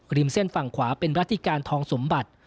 เส้นฝั่งขวาเป็นรัฐิการทองสมบัติ